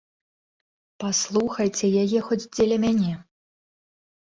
Паслухайце яе хоць дзеля мяне!